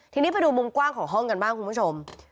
ทีนี้ไปดูมุมกว้างของห้องกันบ้างคุณผู้ชม